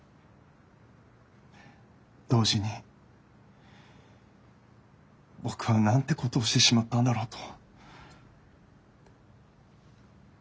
同時に僕はなんてことをしてしまったんだろうと。